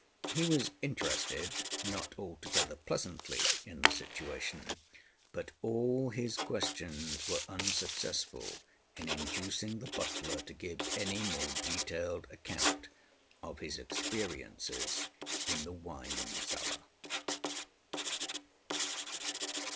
He was interested, not altogether pleasantly, in the situation; but all his questions were unsuccessful in inducing the butler to give any more detailed account of his experiences in the wine cellar.